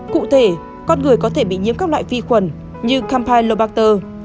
cụ thể con người có thể bị nhiễm các loại vi khuẩn như campilobater